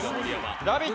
「ラヴィット！」